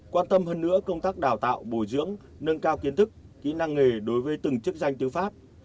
quan tâm hơn nữa công tác đào tạo bồi dưỡng nâng cao kiến thức kỹ năng nghề đối với từng chức danh tư pháp